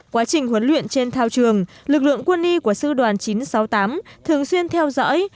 quá trình huấn luyện trên thao trường lực lượng quân y của sư đoàn chín trăm sáu mươi tám thường xuyên theo dõi